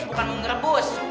bukan mau ngerebus